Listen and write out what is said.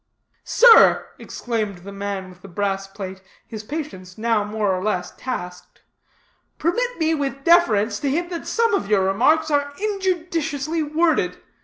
"Sir," exclaimed the man with the brass plate, his patience now more or less tasked, "permit me with deference to hint that some of your remarks are injudiciously worded.